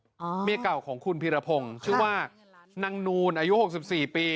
อ่าเมียเก่าของคุณพีรพงศ์ชื่อว่านางนูนอายุหกสิบสี่ปี